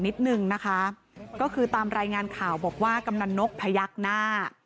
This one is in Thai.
นิดนึงนะคะก็คือตามรายงานข่าวบอกว่ากำนันนกพยักหน้า